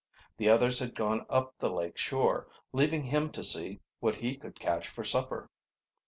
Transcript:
The others had gone up the lake shore, leaving him to see what he could catch for supper.